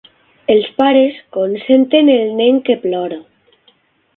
Els pares consenten el nen que plora.